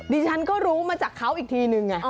ดิฉันก็รู้มาจากเขาอีกทีนึงไง